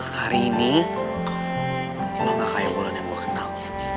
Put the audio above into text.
hari ini lo gak kayak bulan yang gue kenal